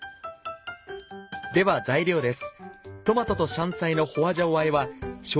では材料です。